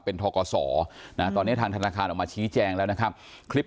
เป็นทกศตอนนี้ทางธนาคารออกมาชี้แจงแล้วนะครับคลิป